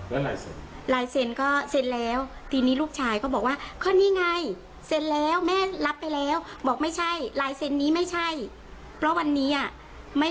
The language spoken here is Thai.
ว่าลายเซ็นต์ก็เซ็นต์แล้วทีนี้ลูกชายเขาบอกว่าข้อนี่ไง